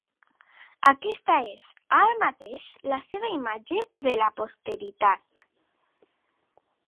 Aquesta és, ara mateix, la seva imatge de la posteritat.